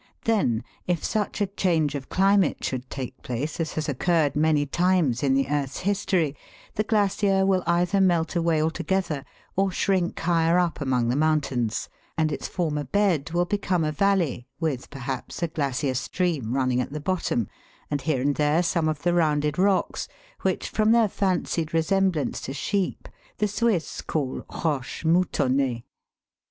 Then, if such a change of climate should take place as has occurred many times in the earth's history, the glacier will either melt away altogether or shrink higher up among the mountains, and its former bed will become a valley with, perhaps, a glacier stream running at the bottom, and here and there some of the rounded rocks, which, from their fancied resemblance to sheep, the Swiss call " roches moutonmes" (Fig. 16).